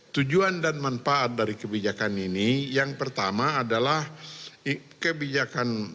tujuan dan manfaat dari kebijakan ini yang pertama adalah kebijakan